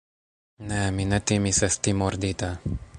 Ne, mi ne timis esti mordita.